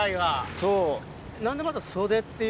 そう。